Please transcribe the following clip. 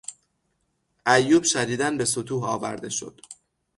ایوب شدیدا به ستوه آورده شد.